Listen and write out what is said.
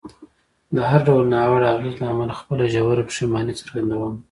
د هر ډول ناوړه اغېز له امله خپله ژوره پښیماني څرګندوم.